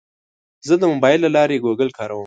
زه د موبایل له لارې ګوګل کاروم.